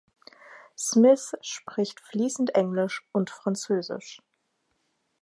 Smith spricht fließend Englisch und Französisch.